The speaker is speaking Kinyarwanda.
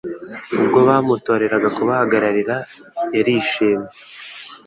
ubwo bamutoreraga kubahagararira yarishimye .